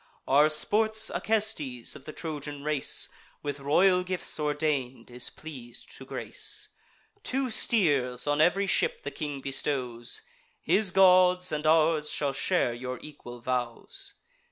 Our sports Acestes, of the Trojan race, With royal gifts ordain'd, is pleas'd to grace: Two steers on ev'ry ship the king bestows; His gods and ours shall share your equal vows.